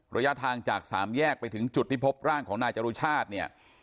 ระยะทางจากสามแยกไปถึงจุดที่พบร่างของนายจรุชาติเนี่ย